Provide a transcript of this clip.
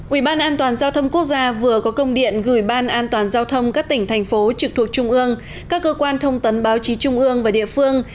ủy ban an toàn giao thông quốc gia vừa có công điện gửi ban an toàn giao thông các tỉnh thành phố trực thuộc trung ương các cơ quan thông tấn báo chí trung ương và địa phương